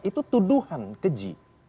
itu tuduhan keji